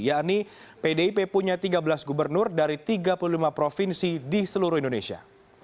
yakni pdip punya tiga belas gubernur dari tiga puluh lima provinsi di seluruh indonesia